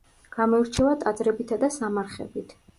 გამოირჩევა ტაძრებითა და სამარხებით.